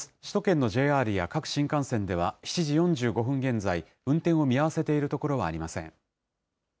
首都圏のＪＲや各新幹線では、７時４５分現在、運転を見合わせているところはありません。